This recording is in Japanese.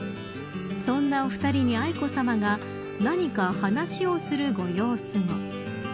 そんなお二人に愛子さまが何か話をするご様子も。